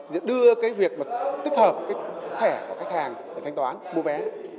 để đưa cái việc tích hợp cái thẻ của khách hàng để thanh toán mua vé